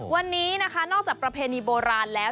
วันนี้นะคะนอกจากประเพณีโบราณแล้ว